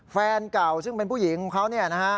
แฟนเก่าซึ่งเป็นผู้หญิงของเขาเนี่ยนะฮะ